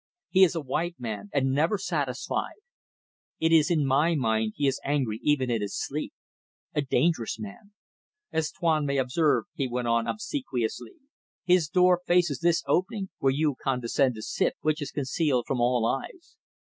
He is a white man, and never satisfied. It is in my mind he is angry even in his sleep. A dangerous man. As Tuan may observe," he went on, obsequiously, "his door faces this opening, where you condescend to sit, which is concealed from all eyes.